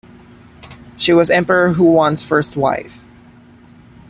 She was Emperor Huan's first wife.